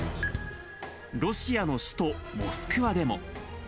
ロシアの首都モスクワでも。